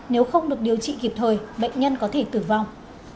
nếu không được điều trị kịp thời bệnh nhân có thể tử vong